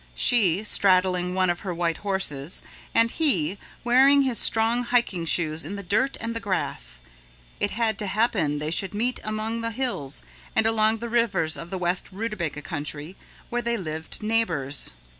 She, straddling one of her white horses, and he, wearing his strong hiking shoes in the dirt and the grass, it had to happen they should meet among the hills and along the rivers of the west Rootabaga Country where they lived neighbors.